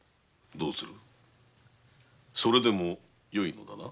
どうするそれでもよいのだな？